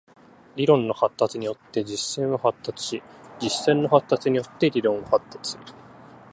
理論の発達によって実践は発達し、実践の発達によって理論は発達する。